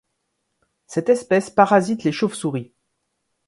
Cette espèce parasite les chauves-souris.